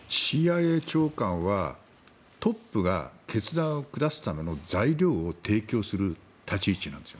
ＣＩＡ長官はトップが決断を下すための材料を提供する立ち位置なんです。